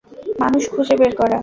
মানুষ খুঁজে বের করা।